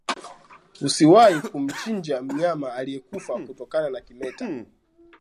Usiwahi kumchinja mnyama aliyekufa kutokana na kimeta